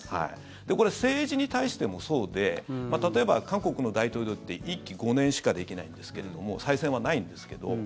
これ政治に対してもそうで例えば韓国の大統領って１期５年しかできないんですけど再選はないんですけど。